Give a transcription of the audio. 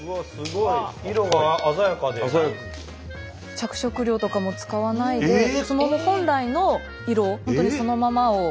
着色料とかも使わないですもも本来の色本当にそのままを。